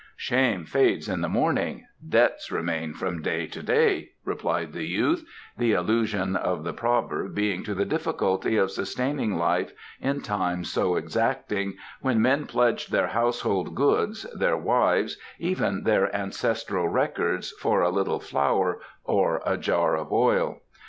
"'Shame fades in the morning; debts remain from day to day,'" replied the youth, the allusion of the proverb being to the difficulty of sustaining life in times so exacting, when men pledged their household goods, their wives, even their ancestral records for a little flour or a jar of oil.